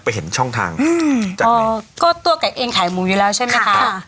เห็นช่องทางอืมแต่ก็ตัวไก่เองขายหมูอยู่แล้วใช่ไหมคะ